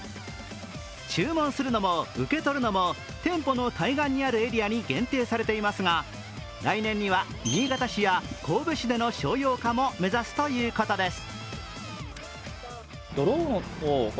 注文するのも、受けとるのも店舗の対岸にあるエリアに限定されていますが来年には新潟市や神戸市での商用化も目指すということです。